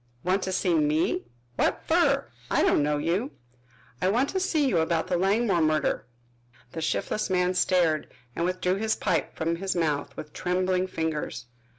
"Want to see me? What fer? I don't know you." "I want to see you about that Langmore murder." The shiftless man stared and withdrew his pipe from his mouth with trembling fingers.